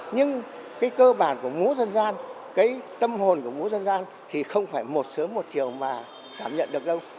nhưng cái cơ bản của múa dân gian cái tâm hồn của múa dân gian thì không phải một sớm một chiều mà cảm nhận được đâu